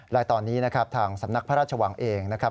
และตอนนี้นะครับทางสำนักพระราชวังเองนะครับ